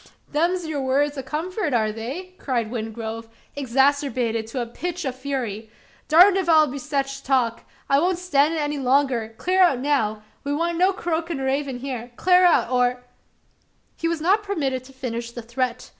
"Them's yur words o' comfort, air they?" cried Wingrove, exasperated to a pitch of fury. "Durned if I'll bar sech talk! I won't stan' it any longer. Clar out now! We want no croakin' raven hyar. Clar out! or " He was not permitted to finish the threat.